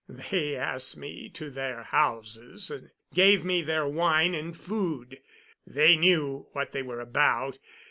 They asked me to their houses, gave me their wine and food. They knew what they were about.